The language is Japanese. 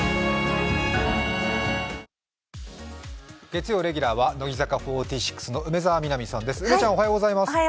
月曜レギュラーは乃木坂４６の梅澤美波さんです。